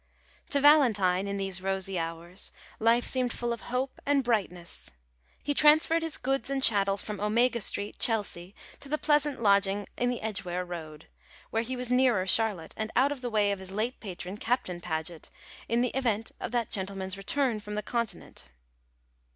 To Valentine, in these rosy hours, life seemed full of hope and brightness. He transferred his goods and chattels from Omega Street, Chelsea, to the pleasant lodging in the Edgware Road, where he was nearer Charlotte, and out of the way of his late patron Captain Paget, in the event of that gentleman's return from the Continent.